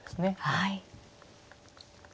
はい。